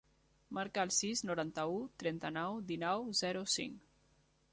Marca el sis, noranta-u, trenta-nou, dinou, zero, cinc.